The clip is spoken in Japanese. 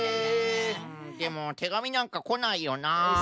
でもてがみなんかこないよなあ。